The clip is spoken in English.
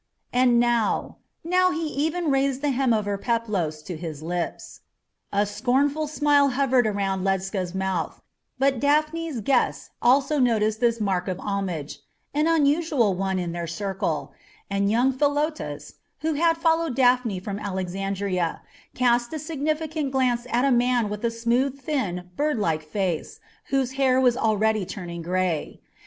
And now now he even raised the hem of her peplos to his lips. A scornful smile hovered around Ledscha's mouth; but Daphne's guests also noticed this mark of homage an unusual one in their circle and young Philotas, who had followed Daphne from Alexandria, cast a significant glance at a man with a smooth, thin, birdlike face, whose hair was already turning gray.